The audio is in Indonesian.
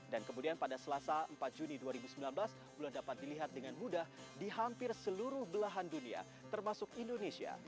dan kemudian pada selasa empat juni dua ribu sembilan belas bulan dapat dilihat dengan mudah di hampir seluruh belahan dunia termasuk indonesia